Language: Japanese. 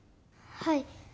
はい。